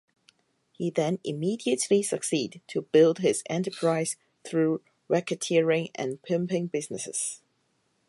He then immediately succeed to build his enterprise through racketeering and pimping businesses.